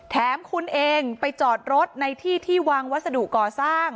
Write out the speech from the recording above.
แถมคุณเองไปจอดรถในที่ที่วางวัสดุก่อสร้าง